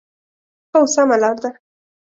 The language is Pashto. هو، سمه لار ده